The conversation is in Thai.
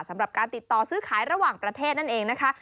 สำหรับการติดต่อซื้อขายระหว่างประเทศนั่นเองนะคะ